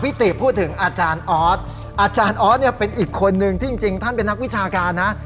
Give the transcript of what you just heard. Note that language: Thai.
ติพูดถึงอาจารย์ออสอาจารย์ออสเนี่ยเป็นอีกคนนึงที่จริงท่านเป็นนักวิชาการนะ